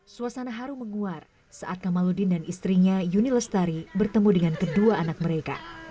suasana harum menguar saat kamaludin dan istrinya yuni lestari bertemu dengan kedua anak mereka